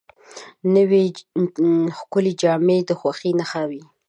نوې ښکلې جامې د خوښۍ نښه وي